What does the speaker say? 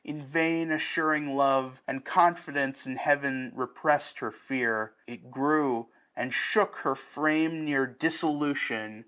In vain assuring love, and confidence 1 199 In Heaven repressed her fear ; it grew, and shook Her frame near dissolution.